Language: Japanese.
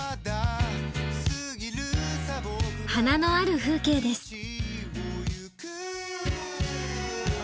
花のある風景です。